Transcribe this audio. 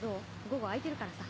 午後空いてるからさ。